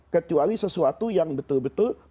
kecuali sesuatu yang betul betul